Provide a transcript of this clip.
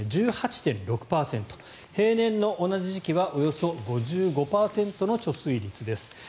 平年の同じ時期はおよそ５５％の貯水率です。